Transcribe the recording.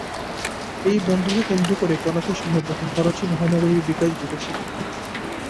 এই বন্দরকে কেন্দ্র করে করাচি শহর তথা করাচি মহানগরীর বিকাশ ঘটেছিল।